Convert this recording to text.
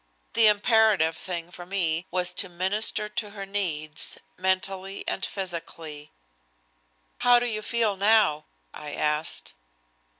The imperative thing for me was to minister to her needs, mentally and physically. "How do you feel now?" I asked.